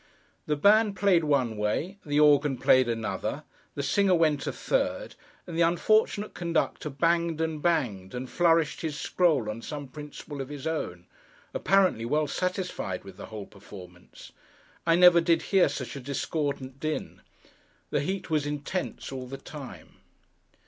The band played one way, the organ played another, the singer went a third, and the unfortunate conductor banged and banged, and flourished his scroll on some principle of his own: apparently well satisfied with the whole performance. I never did hear such a discordant din. The heat was intense all the time.